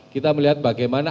kita melihat bagaimana